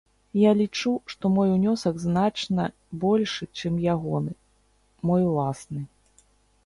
Я лічу, што мой унёсак значна большы, чым ягоны, мой уласны.